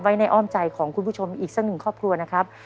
ไว้ในอ้อมใจของคุณผู้ชมอีกสักหนึ่งครอบครัวนะครับ